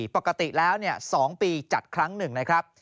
ปกติแล้ว๒ปีจัดครั้งหนึ่ง